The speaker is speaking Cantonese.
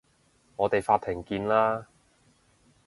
我哋法庭見啦